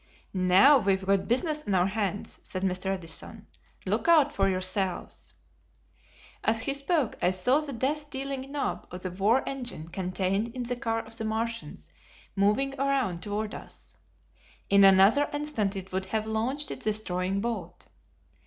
"Now we've got business on our hands," said Mr. Edison. "Look out for yourselves." As he spoke, I saw the death dealing knob of the war engine contained in the car of the Martians moving around toward us. In another instant it would have launched its destroying bolt.